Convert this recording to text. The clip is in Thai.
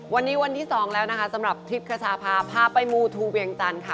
วันนี้วันที่๒แล้วนะคะสำหรับทริปคชาพาพาไปมูทูเวียงจันทร์ค่ะ